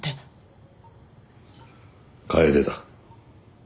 楓だ。